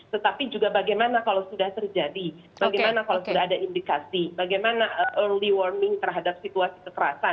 tetapi juga bagaimana kalau sudah terjadi bagaimana kalau sudah ada indikasi bagaimana early warning terhadap situasi kekerasan